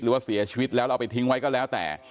หรือว่าเสียชีวิตแล้วแล้วเอาไปทิ้งไว้ก็แล้วแต่